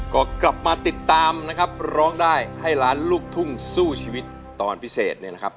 ก็กลับมาติดตามนะครับร้องได้ให้ล้านลูกทุ่งสู้ชีวิตตอนพิเศษเนี่ยนะครับ